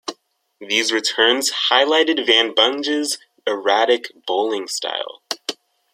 These returns highlighted Van Bunge's erratic bowling style.